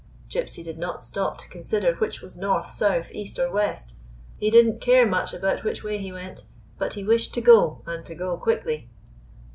Gypsy did not stop to consider which was North, iS4 IN A STRANGE LAND South, East or West. He did n't care much about which way he went ; but he wished to go, and to go quickly.